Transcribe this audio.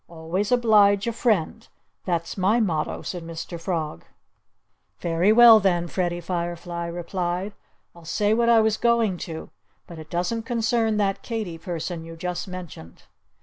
Always oblige a friend! That's my motto!" said Mr. Frog. "Very well, then!" Freddie Firefly replied. "I'll say what I was going to; but it doesn't concern that Katy person you just mentioned."